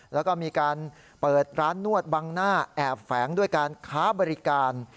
แล้วก็มีการเปิดร้านนวดบังหน้าแอบแฝงด้วยการค้าบริการ